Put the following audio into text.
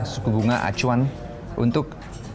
suku bunga acuan untuk